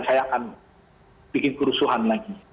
saya akan bikin kerusuhan lagi